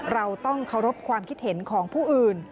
เราต้องเคารพความคิดเห็นของผู้อื่น